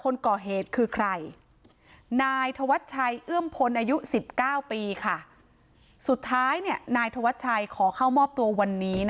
น่ะค่ะ